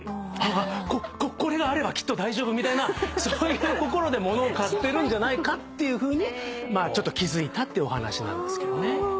ああこれがあればきっと大丈夫！みたいなそういう心で物を買ってるんじゃないかって気付いたっていうお話なんですけどね。